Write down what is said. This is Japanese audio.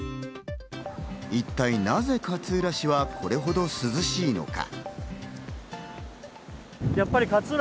一体なぜ勝浦市はこれほど涼しいのか？